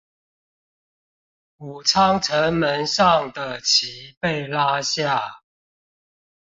武昌城門上的旗被拉下